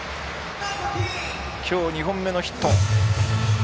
きょう２本目のヒット。